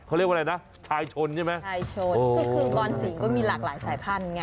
เขาเรียกว่าอะไรนะชายชนใช่ไหมชายชนก็คือบอนสีก็มีหลากหลายสายพันธุไง